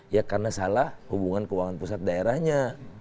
ya karena salah hubungan keuangan pusat daerahnya